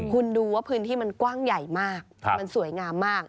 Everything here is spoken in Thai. คุณดูว่าพื้นที่มันกว้างใหญ่มากมันสวยงามมาก